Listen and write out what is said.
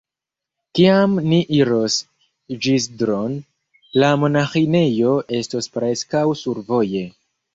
Kiam ni iros Ĵizdro'n, la monaĥinejo estos preskaŭ survoje.